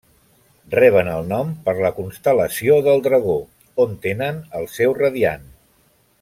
Reben el nom per la constel·lació del Dragó, on tenen el seu radiant.